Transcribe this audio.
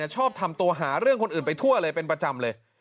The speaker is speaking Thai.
ชอบทำตัวหาเรื่องคนอื่นไปทั่วเลยเป็นประจำเลย